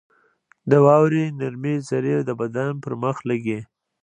• د واورې نرمې ذرې د بدن پر مخ لګي.